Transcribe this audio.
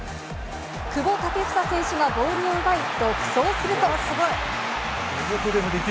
久保建英選手がボールを奪い、独走すると。